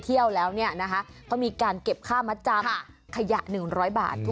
เที่ยวแล้วเนี่ยนะคะเขามีการเก็บค่ามัดจำขยะ๑๐๐บาท